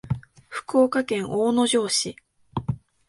福岡県大野城市